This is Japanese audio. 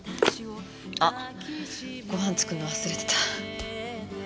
あご飯作るの忘れてた。